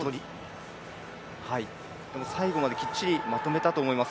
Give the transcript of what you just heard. でも最後まできっちりまとめたと思います。